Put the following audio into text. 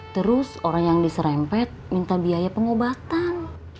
terus orang yang diserempet minta biaya pengobatan